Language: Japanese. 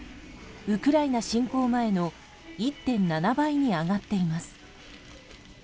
ウクライナ侵攻前の１．７倍に上がっています。